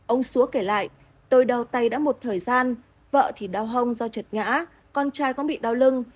ông súa kể lại tôi đau tay đã một thời gian vợ thì đau hông do trật ngã con trai cũng bị đau lưng